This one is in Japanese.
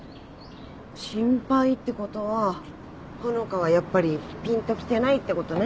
心配ってことは穂香はやっぱりぴんときてないってことね